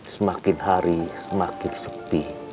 semakin hari semakin sepi